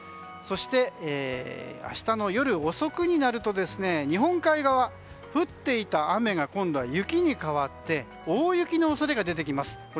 そして明日の夜遅くになると日本海側降っていた雨が今度は雪に変わって大雪の恐れが出てきます。